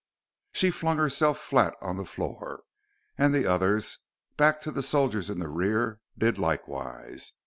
She flung herself flat on the floor, and the others, back to the soldiers in the rear, did likewise.